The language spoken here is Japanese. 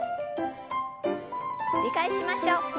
繰り返しましょう。